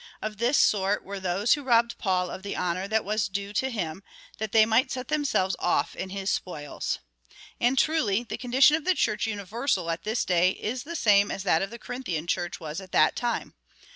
Of this sort were those who robbed Paul of the honour that was due to him, that they might set themselves oiF in his spoils. And, truly, the condition of the Church universal at this day is the same as that of the Corinthian Church was at that time.